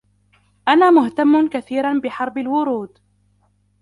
أنا مهتم كثيرا بحرب الورود.